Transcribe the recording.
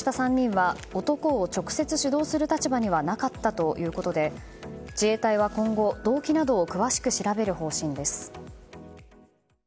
死傷した３人は男を直接指導する立場にはなかったということで自衛隊は今後動機などを詳しく調べる方針です。